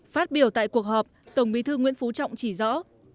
phát biểu tại cuộc họp tổng bí thư nguyễn phú trọng chỉ rõ